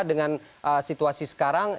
dengan situasi sekarang